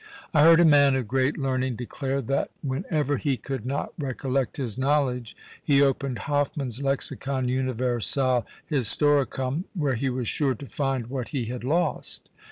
I heard a man of great learning declare, that whenever he could not recollect his knowledge he opened Hoffman's Lexicon Universale Historicum, where he was sure to find what he had lost.